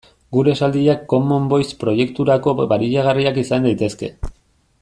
Gure esaldiak Common Voice proiekturako baliagarriak izan daitezke.